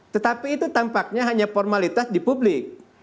tetapi itu tampaknya hanya formalitas di publik